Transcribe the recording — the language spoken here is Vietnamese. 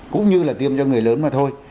cũng như là tiêm cho người lớn mà thôi